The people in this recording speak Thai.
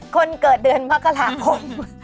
คนเกิดเดือนมกราคม